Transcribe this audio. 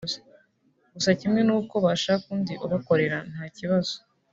gusa kimwe n’uko bashaka undi ubakorera nta kibazo